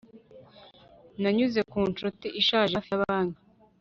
nanyuze ku nshuti ishaje hafi ya banki